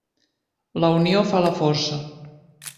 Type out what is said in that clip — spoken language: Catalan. La unió fa la força.